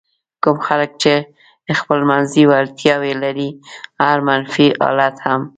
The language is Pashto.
کوم خلک چې خپلمنځي وړتیاوې لري هر منفي حالت هم.